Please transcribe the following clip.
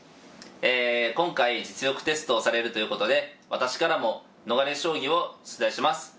今回実力テストをされるということで私からも逃れ将棋を出題します。